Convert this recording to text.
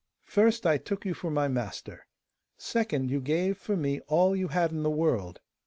First, I took you for my master. Second, you gave for me all you had in the world.